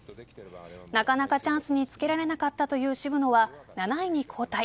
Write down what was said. なかなかチャンスにつけられなかったという渋野は７位に後退。